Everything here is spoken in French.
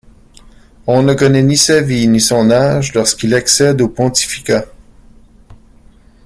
On ne connaît ni sa vie ni son âge lorsqu'il accède au pontificat.